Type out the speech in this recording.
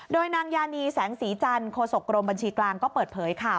โดยนางยานีแสงสีจันทร์โฆษกรมบัญชีกลางก็เปิดเผยค่ะ